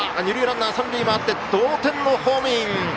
二塁ランナー、三塁を回って同点のホームイン！